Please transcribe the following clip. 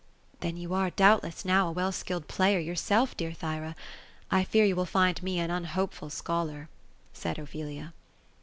" Then you are, doubtless, now, a well skilled player yourself, dear Thyra. I fear you will find me an unhopeful scholar ;" said Ophelia.